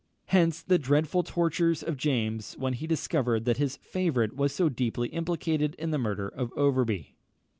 Hence the dreadful tortures of James when he discovered that his favourite was so deeply implicated in the murder of Overbury.